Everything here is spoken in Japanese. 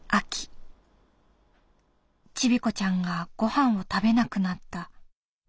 チビコちゃんがごはんを食べなくなった。